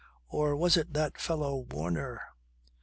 Or was it that fellow Warner